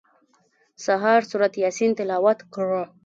سهار سورت یاسین تلاوت کړه.